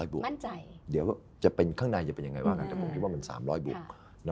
๓๐๐บวกจะเป็นข้างในอย่างไรบ้างแต่ผมคิดว่ามัน๓๐๐บวก